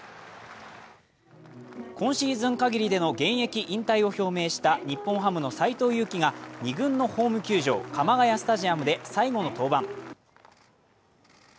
今シーズン限りでの現役引退を発表した日本ハムの斎藤佑樹が２軍のホーム球場、鎌ヶ谷スタジアムで最後の登板。